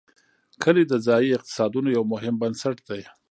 کلي د ځایي اقتصادونو یو مهم بنسټ دی.